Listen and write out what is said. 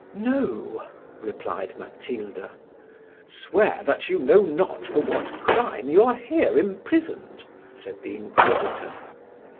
"No," replied Matilda. "Swear that you know not for what crime you are here imprisoned," said the inquisitor.